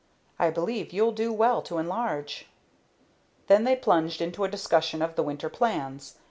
I believe you'll do well to enlarge." Then they plunged into a discussion of the winter's plans.